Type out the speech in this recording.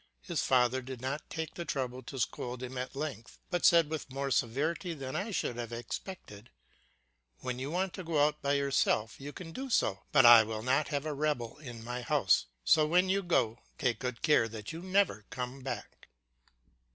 His father did not take the trouble to scold him at length, but said with more severity than I should have expected, "When you want to go out by yourself, you can do so, but I will not have a rebel in my house, so when you go, take good care that you never come back."